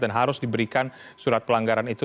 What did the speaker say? dan harus diberikan surat pelanggaran itu